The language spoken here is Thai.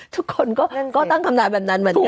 ทุกคนก็ตั้งคำถามแบบนั้นเหมือนกัน